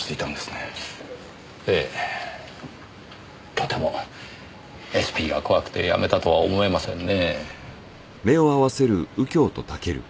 とてもＳＰが怖くて辞めたとは思えませんねぇ。